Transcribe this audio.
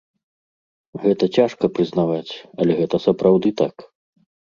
Гэта цяжка прызнаваць, але гэта сапраўды так.